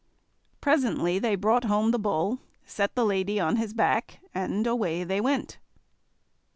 Presently they brought home the Bull, set the lady on his back, and away they went.